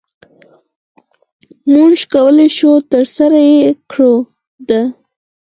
مونږ کولی شو ترسره يي کړو د